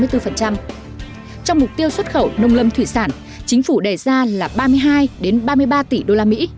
trong mục tiêu xuất khẩu nông lâm thủy sản chính phủ đề ra là ba mươi hai ba mươi ba tỷ usd